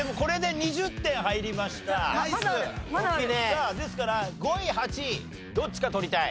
さあですから５位８位どっちか取りたい。